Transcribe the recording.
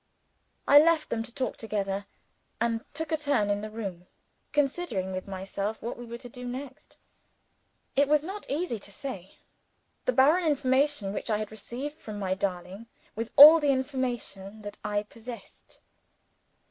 I left them to talk together, and took a turn in the room, considering with myself what we were to do next. It was not easy to say. The barren information which I had received from my darling was all the information that I possessed.